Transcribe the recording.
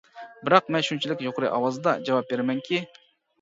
بىراق مەن شۇنچىلىك يۇقىرى ئاۋازدا جاۋاب بېرىمەنكى.